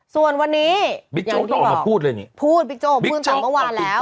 ส่วนวันนี้บิ๊กโจ๊กต้องออกมาพูดเลยนี่พูดบิ๊กโจ๊กพูดตั้งแต่เมื่อวานแล้ว